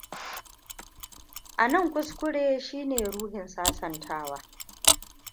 Anan, kuskure shine ruhin sasantawa.